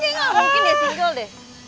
nih gak mungkin ya single deh